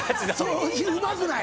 掃除うまくない。